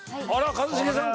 一茂さん